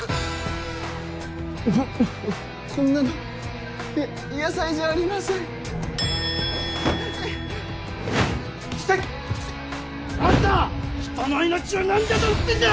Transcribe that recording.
こんなのや野菜じゃありませんキセキ！あんた人の命を何だと思ってんだ！